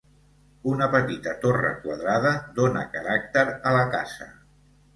Una petita torre quadrada dóna caràcter a la casa.